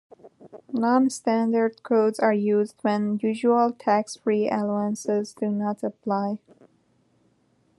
Non-standard codes are used when usual tax free allowances do not apply.